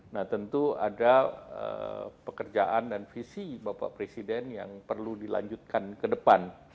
nah tentu ada pekerjaan dan visi bapak presiden yang perlu dilanjutkan ke depan